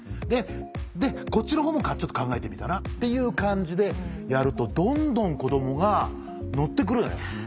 で「こっちのほうもちょっと考えてみたら？」っていう感じでやるとどんどん子どもがノッて来るのよ。